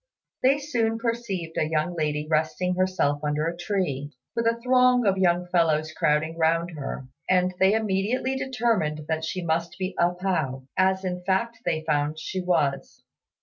They soon perceived a young lady resting herself under a tree, with a throng of young fellows crowding round her, and they immediately determined that she must be A pao, as in fact they found she was.